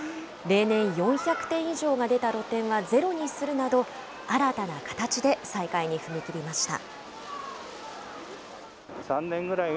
例年、４００点以上が出た露店はゼロにするなど、新たな形で再開に踏み切りました。